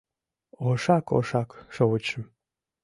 Ошак-ошак шовычшым